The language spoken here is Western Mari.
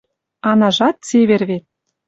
Анажат цевер вет